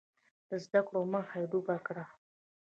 د زده کړو مخه یې ډپ کړه.